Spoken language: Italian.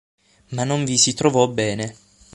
Ma non vi si trovò bene.